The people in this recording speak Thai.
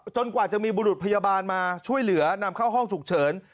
กว่าจะมีบุรุษพยาบาลมาช่วยเหลือนำเข้าห้องฉุกเฉิน